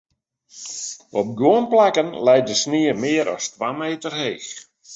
Op guon plakken leit de snie mear as twa meter heech.